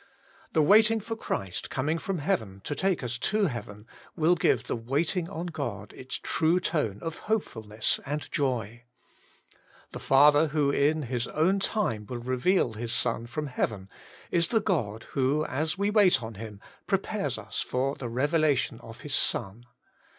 The waiting for Christ coming from heaven to take us to heaven WAITING ON GOD/ 131 will give the waiting on God its true tone of hopefulness and joy. The Father who in His own time will reveal His Son from heaven, is the God who, as we wait on Him, prepares us for the revelation of His Son.